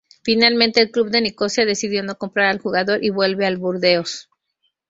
Finalmente el club de Nicosia decidió no comprar al jugador y vuelve al Burdeos.